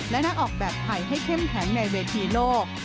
และนักออกแบบไทยให้เข้มแข็งในเวทีโลก